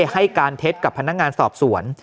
ให้การเท็จกับพนักงานสอบสวน